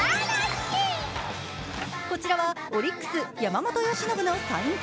こちらはオリックス・山本由伸のサイン会。